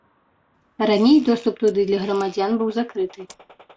Раней доступ туды для грамадзян быў закрыты.